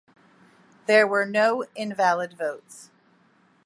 There were no invalid votes.